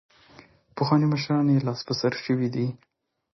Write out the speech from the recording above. پخواني مشران یې لاس په سر شوي دي.